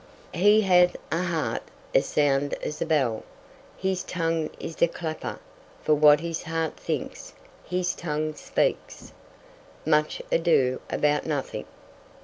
"He hath a heart as sound as a bell, and his tongue is the clapper; for what his heart thinks, his tongue speaks." Much Ado About Nothing.